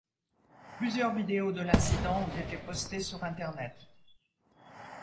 Plusieurs vidéos de l'incident ont été postées sur internet.